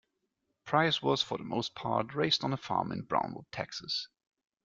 Price was for the most part raised on a farm in Brownwood, Texas.